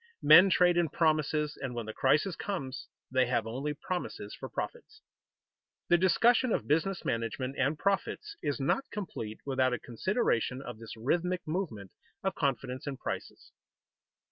Men trade in promises and when the crisis comes, they have only promises for profits. The discussion of business management and profits is not complete without a consideration of this rhythmic movement of confidence and prices.